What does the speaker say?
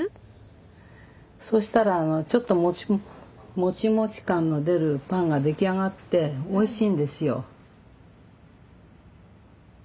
そしたらちょっともちもち感の出るパンが出来上がっておいしいんですよ。